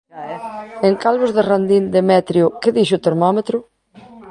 En Calvos de Randín, Demetrio, que dixo o termómetro?